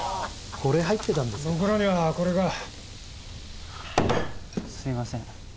これ入ってたんですけど僕のにはこれがすいません